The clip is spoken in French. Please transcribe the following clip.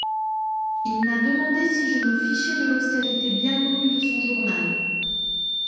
Il m'a demandé si je me fichais de l'austérité bien connue de son journal.